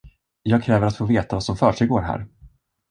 Jag kräver att få veta vad som försiggår här!